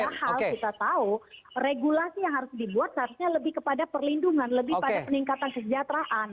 padahal kita tahu regulasi yang harus dibuat seharusnya lebih kepada perlindungan lebih pada peningkatan kesejahteraan